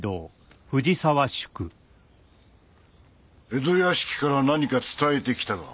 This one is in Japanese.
江戸屋敷から何か伝えてきたか？